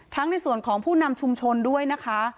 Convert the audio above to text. ในส่วนของผู้นำชุมชนด้วยนะคะ